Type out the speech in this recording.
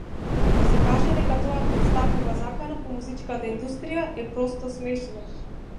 Да се каже дека тоа претставува закана по музичката индустрија е просто смешно.